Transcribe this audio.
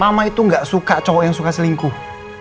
mama itu gak suka cowok yang suka selingkuh